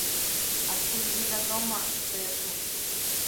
Адкуль жа вядома, што я тут?